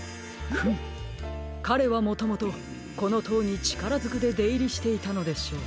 フムかれはもともとこのとうにちからづくででいりしていたのでしょう。